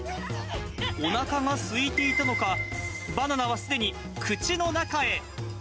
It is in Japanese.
おなかがすいていたのか、バナナはすでに口の中へ。